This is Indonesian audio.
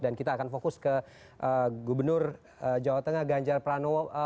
dan kita akan fokus ke gubernur jawa tengah ganjar pranowo